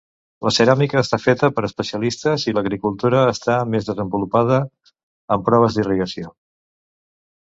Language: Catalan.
La ceràmica està feta per especialistes, i l'agricultura està més desenvolupada amb proves d'irrigació.